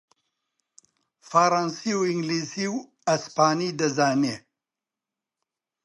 فەڕانسی و ئینگلیسی و ئەسپانی دەزانی